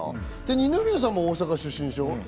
二宮さんも大阪出身でしょう？